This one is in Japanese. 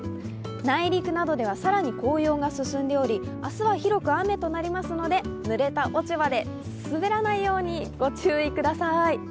内陸などでは更に紅葉が進んでおり明日は広く雨となりますので、ぬれた落ち葉で滑らないようにご注意ください。